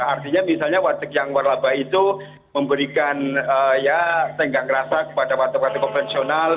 artinya misalnya warteg yang waralaba itu memberikan ya tenggang rasa kepada warteg warteg konvensional